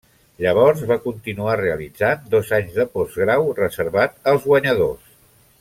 Llavors va continuar realitzant dos anys de postgrau reservat als guanyadors.